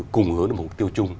cùng hướng đến một mục tiêu chung